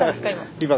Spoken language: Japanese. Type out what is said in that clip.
今。